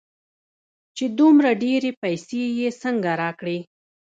چې دومره ډېرې پيسې يې څنگه راکړې.